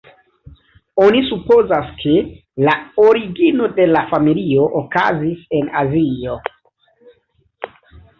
Oni supozas, ke la origino de la familio okazis en Azio.